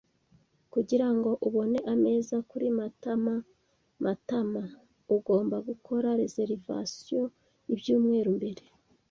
Kugirango ubone ameza kuri Matama's Matamaavern, ugomba gukora reservations ibyumweru mbere.